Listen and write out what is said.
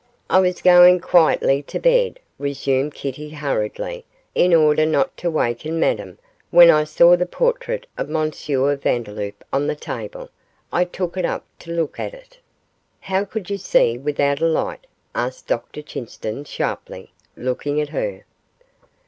'I was going quietly to bed,' resumed Kitty, hurriedly, 'in order not to waken Madame, when I saw the portrait of M. Vandeloup on the table; I took it up to look at it.' 'How could you see without a light?' asked Dr Chinston, sharply, looking at her.